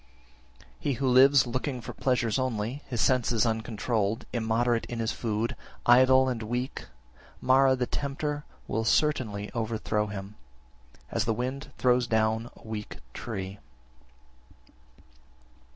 7. He who lives looking for pleasures only, his senses uncontrolled, immoderate in his food, idle, and weak, Mara (the tempter) will certainly overthrow him, as the wind throws down a weak tree.